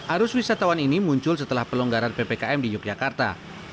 arus wisatawan ini muncul setelah pelonggaran ppkm di yogyakarta